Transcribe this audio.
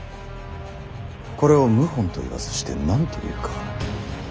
これを謀反と言わずして何と言うか。